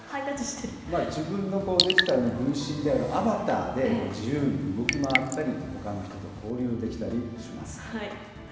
自分のデジタルの分身であるアバターで、自由に動き回ったり、ほかの人と交流できたりします。